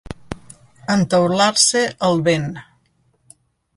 Entaular-se el vent.